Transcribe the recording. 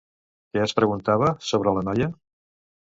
Què es preguntava sobre la noia?